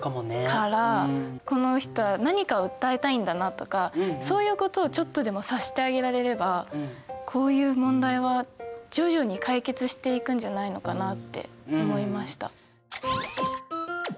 からこの人は何かを訴えたいんだなとかそういうことをちょっとでも察してあげられればこういう問題は徐々に解決していくんじゃないのかなって思いました。